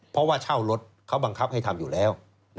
เพราะว่าเช่ารถเขาบังคับให้ทำอยู่แล้ว